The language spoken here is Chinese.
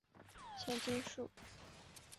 千筋树